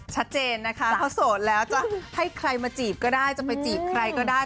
ชัดเจนนะคะเขาโสดแล้วจะให้ใครมาจีบก็ได้จะไปจีบใครก็ได้